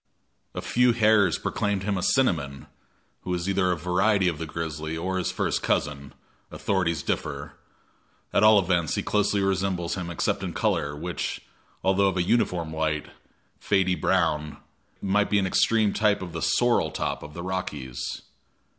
A few hairs proclaimed him a cinnamon, who is either a variety of the grizzly or his first cousin authorities differ; at all events, he closely resembles him except in color, which, although of a uniform light, fady brown, might be an extreme type of the "sorrel top" of the Rockies.